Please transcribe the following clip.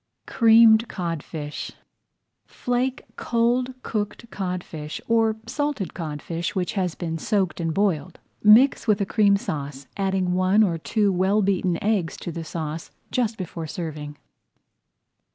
CREAMED CODFISH Flake cold cooked codfish, or salted codfish which has been soaked and boiled. Mix with a Cream Sauce, adding one or two well beaten eggs to the sauce just before serving.